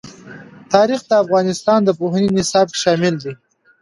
تاریخ د افغانستان د پوهنې نصاب کې شامل دي.